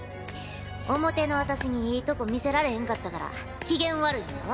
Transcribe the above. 表の私にいいとこ見せられへんかったから機嫌悪いんやろ？